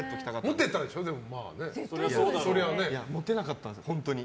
モテなかったんです、本当に。